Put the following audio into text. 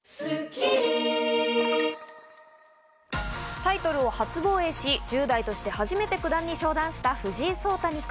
タイトルを初防衛し、１０代として初めて九段に昇段した藤井聡太二冠。